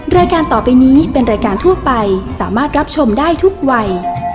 รายการต่อไปนี้เป็นรายการทั่วไปสามารถรับชมได้ทุกวัย